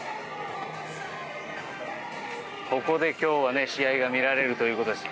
ここで今日は試合が見られるということです。